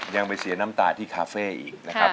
ยังไปเสียน้ำตาที่คาเฟ่อีกนะครับ